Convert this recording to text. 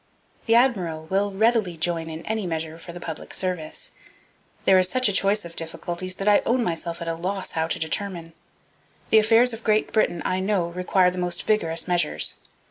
The admiral will readily join in any measure for the public service. There is such a choice of difficulties that I own myself at a loss how to determine. The affairs of Great Britain I know require the most vigorous measures.